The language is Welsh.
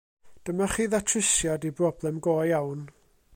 Dyma chi ddatrysiad i broblem go iawn.